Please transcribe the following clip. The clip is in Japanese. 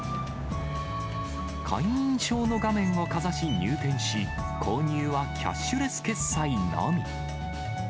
会員証の画面をかざし入店し、購入はキャッシュレス決済のみ。